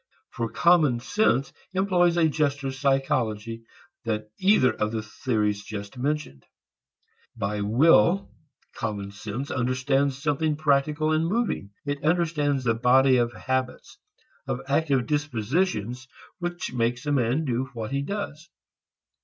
For common sense employs a juster psychology than either of the theories just mentioned. By will, common sense understands something practical and moving. It understands the body of habits, of active dispositions which makes a man do what he does.